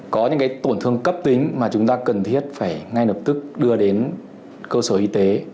có những tổn thương cấp tính mà chúng ta cần thiết phải ngay lập tức đưa đến cơ sở y tế